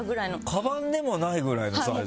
カバンでもないぐらいのサイズ。